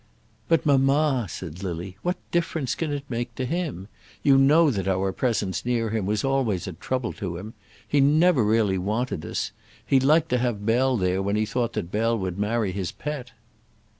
"But, mamma," said Lily, "what difference can it make to him? You know that our presence near him was always a trouble to him. He never really wanted us. He liked to have Bell there when he thought that Bell would marry his pet."